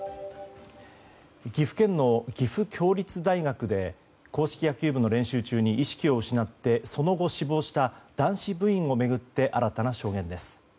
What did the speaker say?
岐阜県の岐阜協立大学で硬式野球部の練習中に意識を失ってその後死亡した男子部員を巡って新たな証言です。